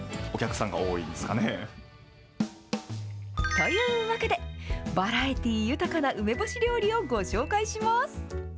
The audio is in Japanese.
というわけで、バラエティー豊かな梅干し料理をご紹介します。